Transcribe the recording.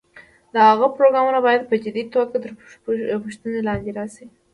د هغه پروګرامونه باید په جدي توګه تر پوښتنې لاندې راشي.